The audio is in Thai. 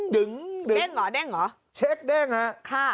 เด้งหรอเช็คเด้งฮะค่ะ